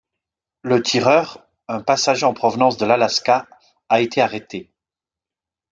Le tireur, un passager en provenance de l'Alaska, a été arrêté.